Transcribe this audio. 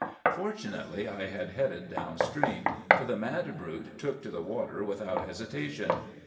"Fortunately I had headed down stream, for the mad brute took to the water without hesitation.